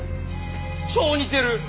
超似てる！